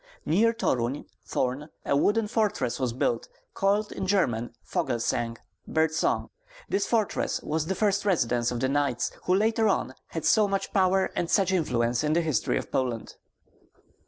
Near Torun (Thorn) a wooden fortress was built, called in German Fogelsang (Bird song). This fortress was the first residence of the knights, who later on had so much power and such influence in the history of Poland.